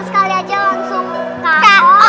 sekali aja langsung kalah